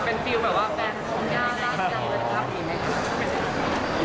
มีนะครับ